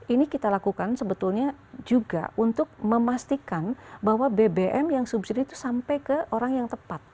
ini kita lakukan sebetulnya juga untuk memastikan bahwa bbm yang subsidi itu sampai ke orang yang tepat